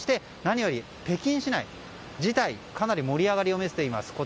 何より北京市内自体かなり盛り上がりを見せています。